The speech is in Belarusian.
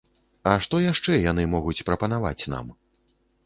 А што яшчэ яны могуць прапанаваць нам?